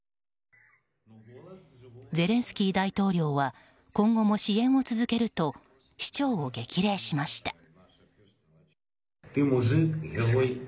ゼレンスキー大統領は今後も支援を続けると市長を激励しました。